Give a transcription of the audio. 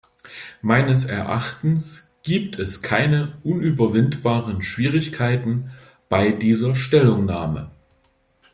Meines Erachtens gibt es keine unüberwindbaren Schwierigkeiten bei dieser Stellungnahme.